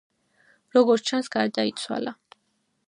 როგორც ჩანს, გარდაიცვალა.